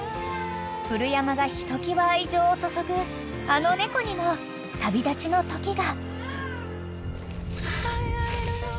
［古山がひときわ愛情を注ぐあの猫にも旅立ちの時が］